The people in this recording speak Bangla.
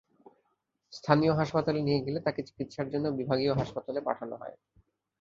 স্থানীয় হাসপাতালে নিয়ে গেলে তাঁকে চিকিৎসার জন্য বিভাগীয় হাসপাতালে পাঠানো হয়।